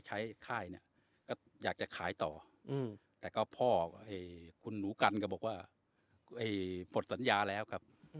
ใช้ค่ายอยากจะขายต่อแต่ก็พ่อคุณหนูกันก็บอกแล้วพลสัญญาแล้วครับ